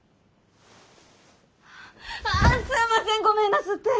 ああすんませんごめんなすって！